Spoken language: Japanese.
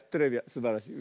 すばらしい。